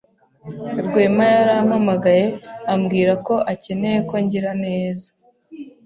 Rwema yarampamagaye ambwira ko akeneye ko ngira neza.